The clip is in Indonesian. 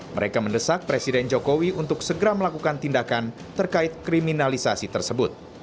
mereka mendesak presiden jokowi untuk segera melakukan tindakan terkait kriminalisasi tersebut